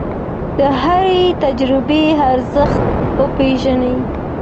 د هرې تجربې ارزښت وپېژنئ.